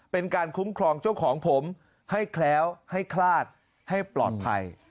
เป็นการคุ้มครองเจ้าของผมให้แคล้วให้คลาดให้ปลอดภัย